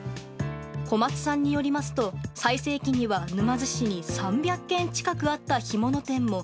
小松さんによりますと、最盛期には沼津市に３００軒近くあった干物店も、